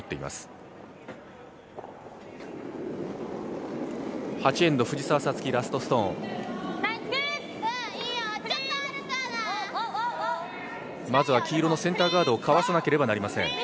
まずは、黄色のセンターガードをかわさなければなりません。